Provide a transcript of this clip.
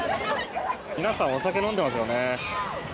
皆さん、お酒を飲んでいますね。